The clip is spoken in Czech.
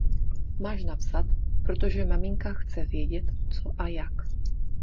Máš napsat, protože maminka chce vědět co a jak.